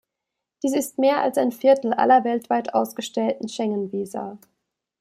Dies ist mehr als ein Viertel aller weltweit ausgestellten Schengen-Visa.